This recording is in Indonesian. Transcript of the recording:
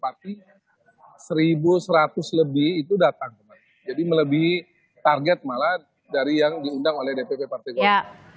jadi itu harus lebih datang jadi melebihi target malah dari yang diundang oleh dpv partai golkar